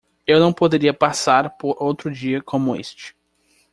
Eu não poderia passar por outro dia como este.